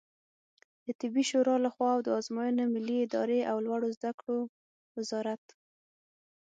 د طبي شورا له خوا د آزموینو ملي ادارې او لوړو زده کړو وزارت